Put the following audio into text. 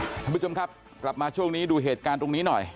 คุณผู้ชมครับกลับมาช่วงนี้ดูเหตุการณ์ตรงนี้หน่อย